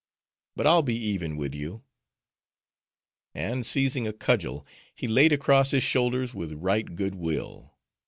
But I'll be even with you;' and seizing a cudgel, he laid across his shoulders with right good will.